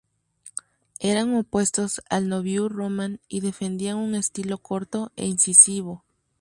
Eran opuestos al Nouveau roman y defendían un estilo corto e incisivo.